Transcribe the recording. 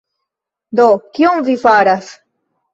Do, kion vi faras?